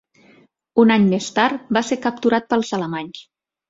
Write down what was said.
Un any més tard, va ser capturat pels alemanys.